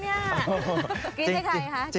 กรี๊ดให้ใครฮะ